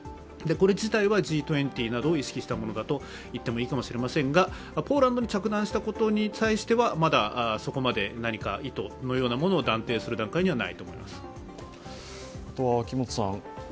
これ事態はＧ２０などを意識したものだと言ってもいいかもしれませんがポーランドに着弾したことに対しては、まだそこまで意図のようなものを断定する段階にはないと思います。